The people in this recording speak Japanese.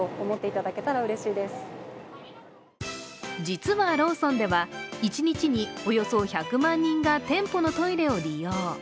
実はローソンでは一日におよそ１００万人が店舗のトイレを利用。